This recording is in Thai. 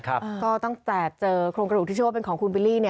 ก็ตั้งแต่เจอโครงกระดูกที่เชื่อว่าเป็นของคุณบิลลี่